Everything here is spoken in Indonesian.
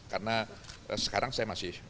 karena sekarang saya masih